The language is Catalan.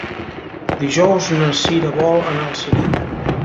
Dijous na Cira vol anar al cinema.